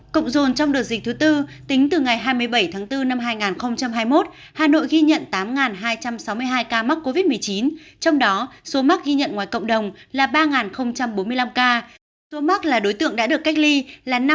cộng dồn trong đợt dịch thứ tư tính từ ngày hai mươi bảy tháng bốn năm hai nghìn hai mươi một hà nội ghi nhận tám hai trăm sáu mươi hai ca mắc covid một mươi chín trong đó số mắc ghi nhận ngoài cộng đồng là ba bốn mươi năm ca số mắc là đối tượng đã được cách ly là năm mươi bốn